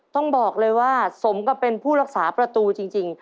ต้องบอกเลยว่าสมกับเป็นผู้รักษาประตูจริง